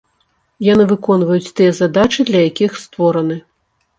Яны выконваюць тыя задачы, для якіх створаны.